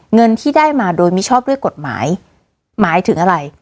เงินที่ได้มาโดยมิชอบด้วยกฎหมายหมายถึงอะไร